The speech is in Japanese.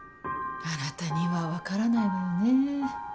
あなたにはわからないわよね。